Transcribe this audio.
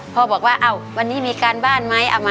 บอกว่าวันนี้มีการบ้านไหม